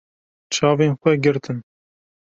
Çavên xwe girtin.